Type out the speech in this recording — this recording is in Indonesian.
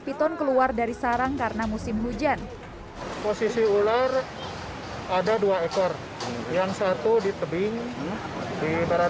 piton keluar dari sarang karena musim hujan posisi ular ada dua ekor yang satu di tebing di barat